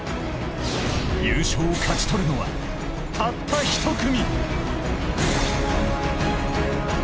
優勝を勝ち取るのはたった１組！